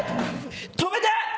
止めて！